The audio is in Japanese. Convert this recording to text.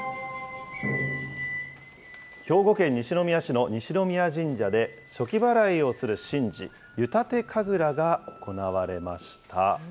兵庫県西宮市の西宮神社で、暑気払いをする神事、湯立神楽が行われました。